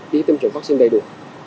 đi tiêm chủng vắc xin đầy đủ